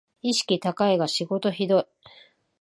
意識高いが仕事ひどい